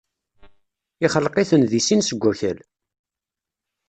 yexleq-iten di sin seg wakal.